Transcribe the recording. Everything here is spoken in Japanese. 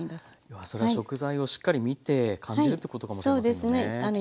要はそれは食材をしっかり見て感じるということかもしれませんもんね。